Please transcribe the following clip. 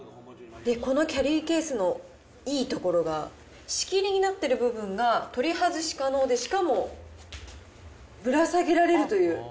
このキャリーケースのいいところが、仕切りになってる部分が取り外し可能で、しかも、ぶら下げられるという。